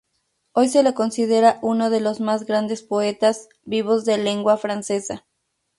Hoy se le considera uno de los más grandes poetas vivos de lengua francesa.